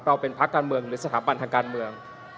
เป็นพักการเมืองหรือสถาบันทางการเมือง